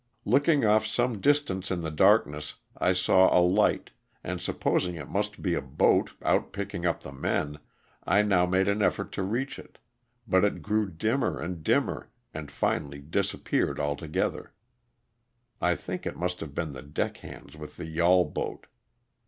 Looking off some distance in the dark, ness I saw a light and, supposing it must be a boat out picking up the men, I now jnade an effort to reach it, but it grew dimmer and dimmer and finally disap peared altogether. (I think it must have been the deck hands with the yawl boat.)